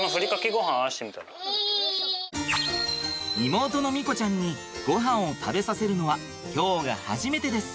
妹の美瑚ちゃんにごはんを食べさせるのは今日が初めてです。